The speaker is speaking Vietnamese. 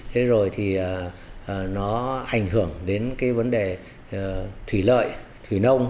thế rồi thì nó ảnh hưởng đến cái vấn đề thủy lợi thủy nông